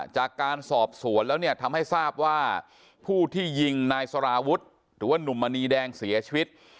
จากการสอบสวนแล้วเนี่ยทำให้ทราบว่าผู้ที่ยิงนายสารวุฒิหรือว่านุ่มมณีแดงเสียชีวิต